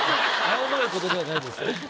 謝ることではないです。